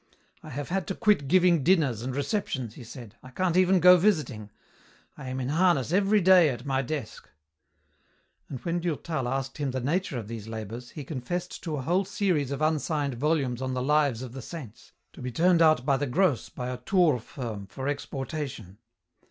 "I have had to quit giving dinners and receptions," he said, "I can't even go visiting. I am in harness every day at my desk." And when Durtal asked him the nature of these labours, he confessed to a whole series of unsigned volumes on the lives of the saints, to be turned out by the gross by a Tours firm for exportation.